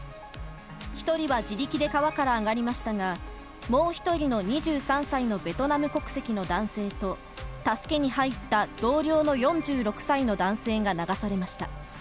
１人は自力で川から上がりましたが、もう１人の２３歳のベトナム国籍の男性と、助けに入った同僚の４６歳の男性が流されました。